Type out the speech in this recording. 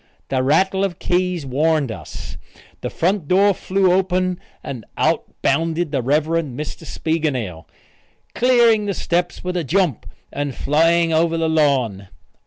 The rattle of keys warned us. The front door flew open and out bounded the Rev. Mr. Spiegelnail, clearing the steps with a jump, and flying over the lawn.